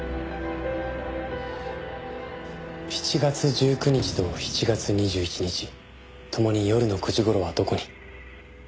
７月１９日と７月２１日ともに夜の９時頃はどこに？